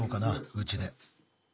うちで。